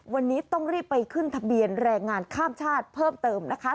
วันนี้ต้องรีบไปขึ้นทะเบียนแรงงานข้ามชาติเพิ่มเติมนะคะ